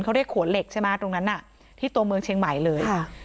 เขาเรียกขวนเหล็กใช่ไหมตรงนั้นน่ะที่ตัวเมืองเชียงใหม่เลย